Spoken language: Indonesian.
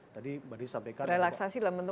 relaksasi dalam bentuk apa restrukturisasi utangnya